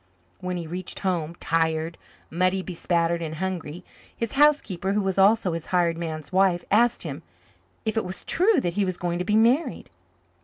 When he reached home, tired, mud bespattered, and hungry, his housekeeper, who was also his hired man's wife, asked him if it was true that he was going to be married.